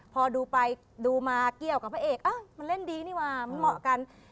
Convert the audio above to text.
พอดูไปดูมาเกี่ยวกับพระเอกมันเล่นดีนี่ว่ะมันเหมาะกัน